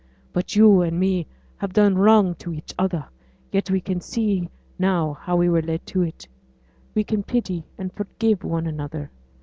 But you and me have done wrong to each other; yet we can see now how we were led to it; we can pity and forgive one another.